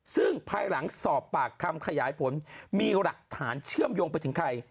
ซึ่งภายหลังสอบปากคำขยายผลมีหลักฐานเชื่อมโยงไปถึงใคร